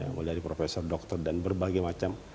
mulai dari profesor dokter dan berbagai macam